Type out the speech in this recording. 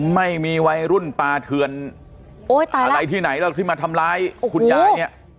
ไม่มีวัยรุ่นปาเถือนโอ้ยตายแล้วอะไรที่ไหนแล้วที่มาทำร้ายคุณยายเนี้ย